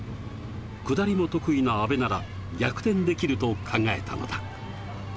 下りも得意な阿部なら、逆転できると考えたのだ。